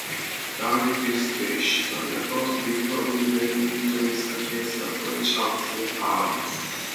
During this stage, the revolt recorded many victories against the French and their allies.